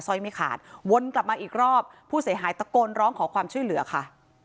ร้อยไม่ขาดวนกลับมาอีกรอบผู้เสียหายตะโกนร้องขอความช่วยเหลือค่ะ